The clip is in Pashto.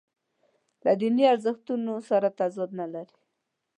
له دیني ارزښتونو سره تضاد نه لري.